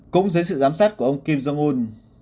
cũng dưới sự giám sát của ông kim jong un